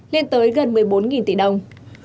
lên tới gần một mươi bốn tỷ đồng